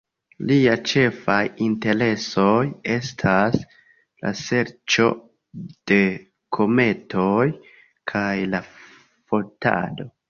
Liaj ĉefaj interesoj estas la serĉo de kometoj kaj la fotado.